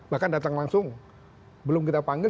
bahkan datang langsung belum kita panggil